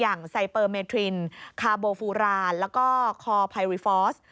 อย่างไซเปอร์เมทรินคาร์โบฟูรานแล้วก็คอร์ไพริฟอส